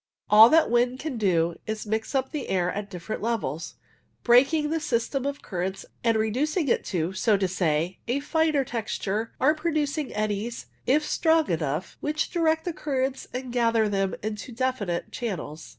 All that wind can do is to mix up the air at different levels, breaking the system of currents and reducing it to, so to say, a finer texture, or producing eddies, if strong enough, which direct the currents and gather them into definite channels.